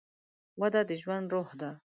وده د ژوند روح ده.